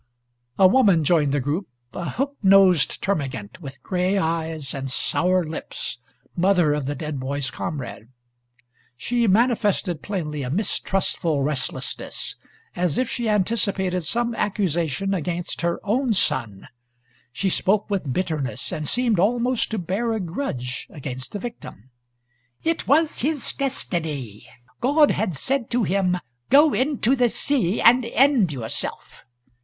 A woman joined the group, a hook nosed termagant, with gray eyes and sour lips, mother of the dead boy's comrade. She manifested plainly a mistrustful restlessness, as if she anticipated some accusation against her own son. She spoke with bitterness, and seemed almost to bear a grudge against the victim. "It was his destiny. God had said to him, 'Go into the sea and end yourself.'"